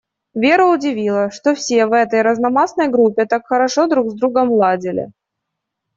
Веру удивило, что все в этой разномастной группе так хорошо друг с другом ладили.